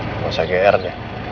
gak usah geer deh